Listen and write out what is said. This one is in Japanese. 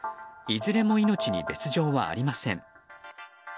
いずれも命に別条はありません。